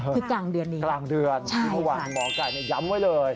วันกลางเดือนพอวันหมอไก่ย้ำไว้เลย